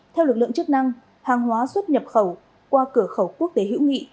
theo lực lượng chức năng hàng hóa xuất nhập khẩu qua cửa khẩu quốc tế hữu nghị